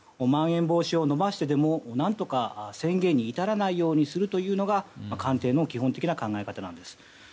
まん延防止を延ばしてでも何とか宣言に至らないようにするというのが官邸の基本的な考え方なんです。